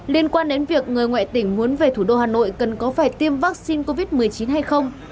liên quan đến việc người ngoại tỉnh muốn về thủ đô hà nội cần có phải tiêm vaccine covid một mươi chín hay không